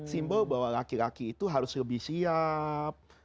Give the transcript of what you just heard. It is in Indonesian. simbol bahwa laki laki itu harus lebih siap